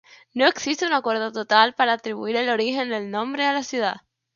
No existe un acuerdo total para atribuir el origen del nombre a la ciudad.